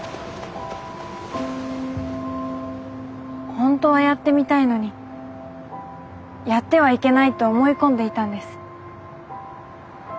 本当はやってみたいのにやってはいけないと思い込んでいたんです。